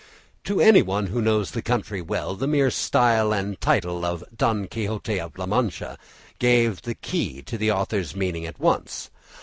To anyone who knew the country well, the mere style and title of "Don Quixote of La Mancha" gave the key to the author's meaning at once.